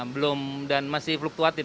belum dan masih fluktuatif